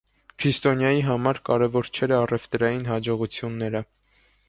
Քրիստինայի համար կարևոր չէր առևտրային հաջողությունները։